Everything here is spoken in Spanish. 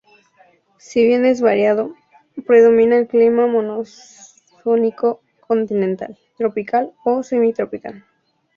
Si bien es variado, predomina el clima monzónico continental, tropical o semitropical.